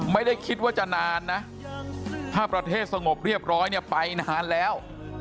ไม่ได้คิดว่าจะนานนะถ้าประเทศสงบเรียบร้อยเนี่ยไปนานแล้ว